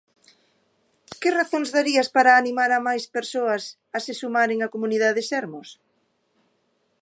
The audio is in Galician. Que razóns darías para animar a máis persoas a se sumaren á Comunidade Sermos?